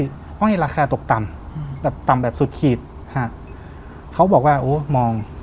ห้อยราคาตกต่ำอืมแบบต่ำแบบสุดขีดฮะเขาบอกว่าโอ้มอง